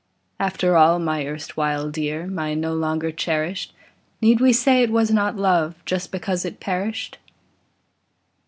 After all, my erstwhile dear, My no longer cherished, Need we say it was not love, Just because it perished?